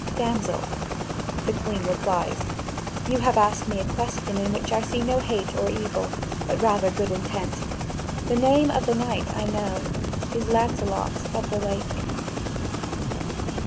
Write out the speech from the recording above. "Damsel," the Queen replies, "you have asked me a question in which I see no hate or evil, but rather good intent; the name of the knight, I know, is Lancelot of the Lake."